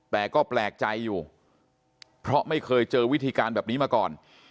แต่ก็แปลกใจอยู่เพราะไม่เคยเจอวิธีการแบบนี้มาก่อน